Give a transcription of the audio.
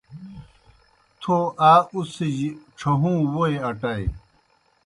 تھو آ اُڅِھجیْ ڇھہُوں ووئی اٹائے۔